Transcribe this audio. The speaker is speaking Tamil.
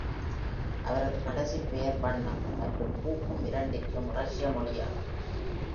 அவரது கடைசி பெயர்"வண்ணம்" மற்றும்"பூக்கும் இரண்டிற்கும் ரஷ்ய மொழியாகும்.